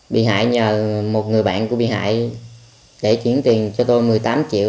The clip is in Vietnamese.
bị hại nhờ một người bạn của bị hại để chuyển tiền cho tôi một mươi tám triệu